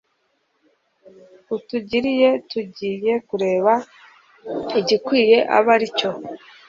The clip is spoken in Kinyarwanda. utugiriye tugiye kureba igikwiye abe aricyo